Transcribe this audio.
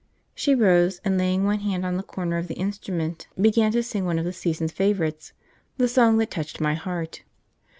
She rose, and, laying one hand on the corner of the instrument, began to sing one of the season's favourites, 'The Song that reached my Heart.'